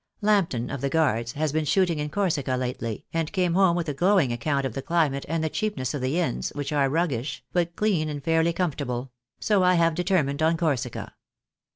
Lambton, of the Guards, has been shooting in Corsica lately, and came home with a glowing account of the climate and the cheapness of the inns, which are roughish, but clean and fairly com fortable; so I have determined on Corsica.